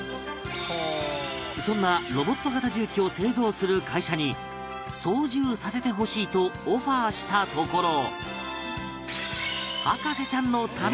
そんなロボット型重機を製造する会社に操縦させてほしいとオファーしたところ